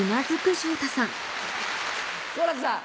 好楽さん。